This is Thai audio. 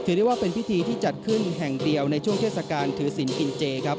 ได้ว่าเป็นพิธีที่จัดขึ้นแห่งเดียวในช่วงเทศกาลถือศิลป์กินเจครับ